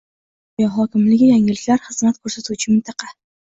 Qashqadaryo hokimligi Yangiliklar xizmat ko'rsatuvchi mintaqa